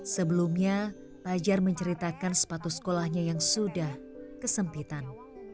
sebelumnya fajar menceritakan sepatu sekolahnya yang sudah kesempitan